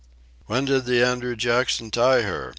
"When did the Andrew Jackson tie her?"